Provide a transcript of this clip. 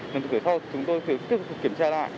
lần đầu kể sau chúng tôi tiếp tục kiểm tra lại